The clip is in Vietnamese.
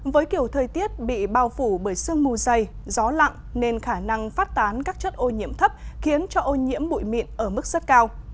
với kiểu thời tiết bị bao phủ bởi sương mù dày gió lặng nên khả năng phát tán các chất ô nhiễm thấp khiến cho ô nhiễm bụi mịn ở mức rất cao